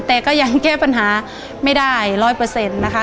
แต่ก็ยังแก้ปัญหาไม่ได้๑๐๐นะคะ